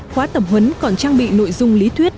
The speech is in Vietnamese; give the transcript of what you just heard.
khóa tập huấn còn trang bị nội dung lý thuyết